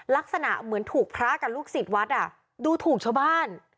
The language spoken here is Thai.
ลักษณะเหมือนถูกพระกับลูกศิษย์วัดดูถูกชาวบ้าน